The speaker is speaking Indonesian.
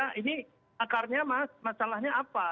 nah ini akarnya mas masalahnya apa